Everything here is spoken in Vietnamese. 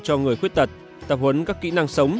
cho người khuyết tật tập huấn các kỹ năng sống